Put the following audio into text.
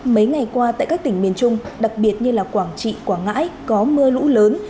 mấy ngày qua tại các tỉnh miền trung đặc biệt như quảng trị quảng ngãi có mưa lũ lớn